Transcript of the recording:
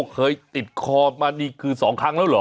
เคยติดคอมานี่คือ๒ครั้งแล้วเหรอ